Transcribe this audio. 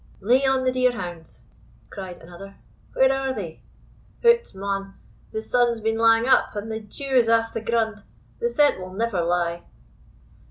"Lay on the deer hounds," cried another "where are they?" "Hout, man, the sun's been lang up, and the dew is aff the grund the scent will never lie."